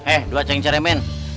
eh dua cengkeremen